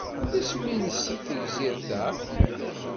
Isem-nnes tegzirt-a?